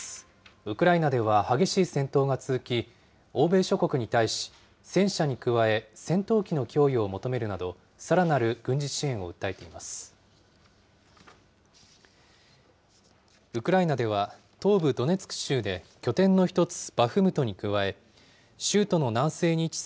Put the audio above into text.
ウクライナでは激しい戦闘が続き、欧米諸国に対し、戦車に加え戦闘機の供与を求めるなど、さらなる軍事支援を訴えています。